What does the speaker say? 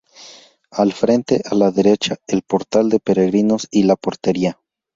Al frente a la derecha, el Portal de Peregrinos y la portería.